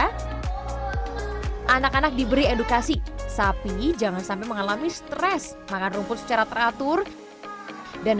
hai anak anak diberi edukasi sapi jangan sampai mengalami stres maka rumput secara teratur dan